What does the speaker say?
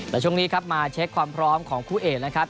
และช่วงนี้ครับมาเช็คความพร้อมของคู่เอกนะครับ